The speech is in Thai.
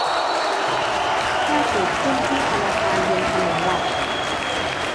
ถ้าเกิดขึ้นที่ธนาคารบนถนนหลัก